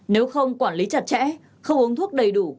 nếu không quản lý chặt chẽ không uống thuốc đầy đủ